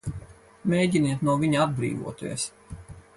Mēģiniet no viņa atbrīvoties!